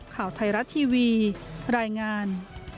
ข่าวไทยรัฐทีวีรายงาน